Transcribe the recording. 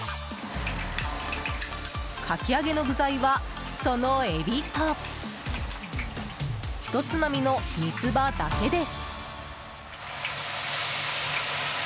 かき揚げの具材は、そのエビとひとつまみの三つ葉だけです。